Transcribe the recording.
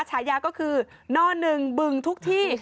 ฉายาก็คือน่อหนึ่งบึงทุกที่